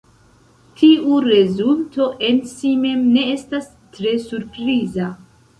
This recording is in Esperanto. Tiu rezulto en si mem ne estas tre surpriza.